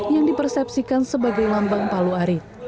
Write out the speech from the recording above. yang dipersepsikan sebagai gambar utuh